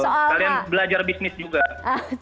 kalian belajar bisnis juga